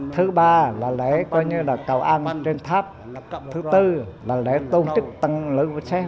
thứ ba là lễ cầu an trên tháp thứ tư là lễ tôn trức tân lưỡi quốc sách